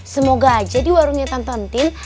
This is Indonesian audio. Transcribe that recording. semoga aja di warungnya tante entin